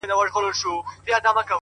چي بيا ترې ځان را خلاصولای نسم.